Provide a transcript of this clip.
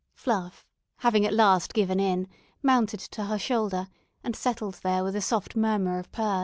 Fluff, having at last given in, mounted to her shoulder, and settled there with a soft murmur of purrs.